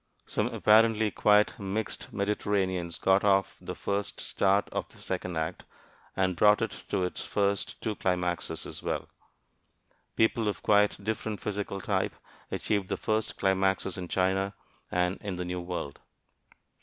Some apparently quite mixed Mediterraneans got off to the first start on the second act and brought it to its first two climaxes as well. Peoples of quite different physical type achieved the first climaxes in China and in the New World.